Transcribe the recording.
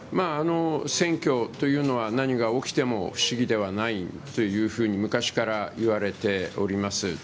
選挙というのは、何が起きても不思議ではないというふうに、昔からいわれております。